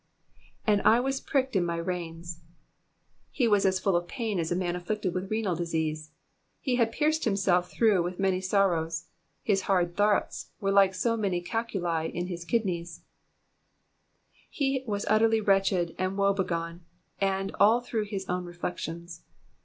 ^^And I was pricked in my reins.'*' He was as full of pain as a man afflicted with renal disease ; ho had pierced himself through with many sorrows ; his hard thoughts were like so many calculi in his kidneys ; he was utterly wretched and woebegone, and all through his own reflections.